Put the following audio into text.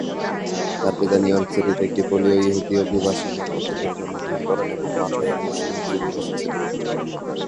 তার পিতা New York সিটিতে এক পোলীয় ইহুদি অভিবাসী দম্পতির ঘরে জন্মগ্রহণ করেন, এবং মাতা রুশ ইহুদি অভিবাসী ছিলেন।